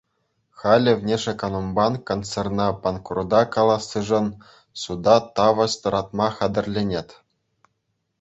Халӗ «Внешэкономбанк» концерна панкрута калассишӗн суда тавӑҫ тӑратма хатӗрленет.